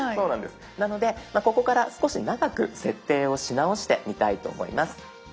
なのでここから少し長く設定をし直してみたいと思います。